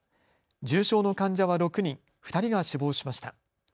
重症の患者は６人、２人が死亡しました。